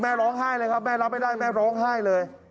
ร้องไห้เลยครับแม่รับไม่ได้แม่ร้องไห้เลย